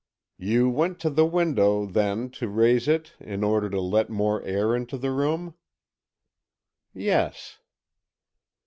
"You went to the window, then, to raise it in order to let more air into the room?" "Yes."